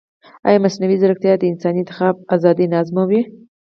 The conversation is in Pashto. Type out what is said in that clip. ایا مصنوعي ځیرکتیا د انساني انتخاب ازادي نه ازموي؟